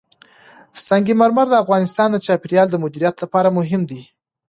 سنگ مرمر د افغانستان د چاپیریال د مدیریت لپاره مهم دي.